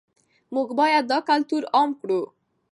موږ باید دا کلتور عام کړو.